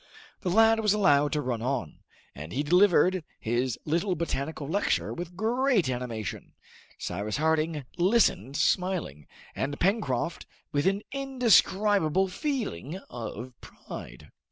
The lad was allowed to run on, and he delivered his little botanical lecture with great animation. Cyrus Harding listened smiling, and Pencroft with an indescribable feeling of pride.